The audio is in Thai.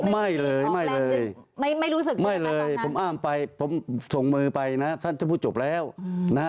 ไม่เลยผมอ้ามไปผมส่งมือไปนะท่านจะพูดจบแล้วนะ